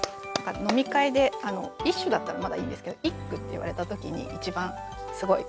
飲み会で「一首」だったらまだいいんですけど「一句」って言われた時に一番すごい困るしモヤモヤします。